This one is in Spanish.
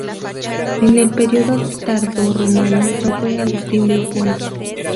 En el periodo tardorromano lo fue Agustín de Hipona.